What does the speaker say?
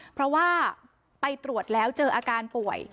เพราะว่าไปตรวจแล้วเจออาการป่วย